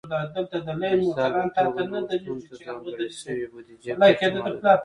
د مثال په توګه نوښتونو ته ځانګړې شوې بودیجې کچه محدوده وه